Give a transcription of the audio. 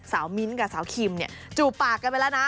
มิ้นท์กับสาวคิมเนี่ยจูบปากกันไปแล้วนะ